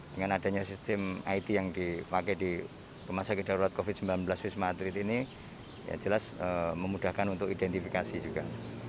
dengan adanya sistem it yang dipakai di rumah sakit darurat covid sembilan belas wisma atlet ini ya jelas memudahkan untuk identifikasi juga